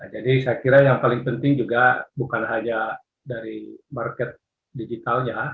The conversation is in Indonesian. jadi saya kira yang paling penting juga bukan hanya dari market digitalnya